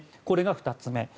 これが２つ目。